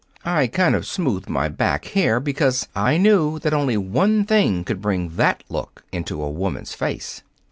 I kind of smoothed my back hair, because I knew that only one thing could bring that look into a woman's face.